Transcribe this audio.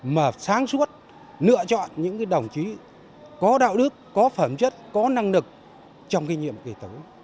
và sáng suốt lựa chọn những đồng chí có đạo đức có phẩm chất có năng lực trong kỳ nhiệm kỳ tổ